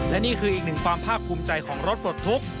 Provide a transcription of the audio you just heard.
และนี่คืออีกหนึ่งความภาคภูมิใจของรถปลดทุกข์